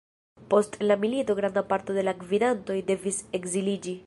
Post la milito granda parto de la gvidantoj devis ekziliĝi.